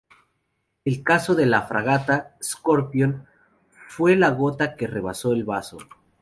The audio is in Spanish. El caso de la fragata "Scorpion" fue la gota que rebasó el vaso.